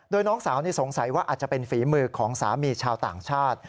โดยน้องสาวสงสัยว่าอาจจะเป็นฝีมือของสามีชาวต่างชาติ